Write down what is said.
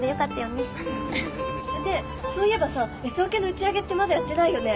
ねえそういえばさＳオケの打ち上げってまだやってないよね？